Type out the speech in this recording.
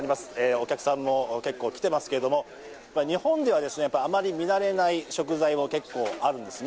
お客さんも結構来てますけども、日本ではあまり見慣れない食材も結構あるんですね。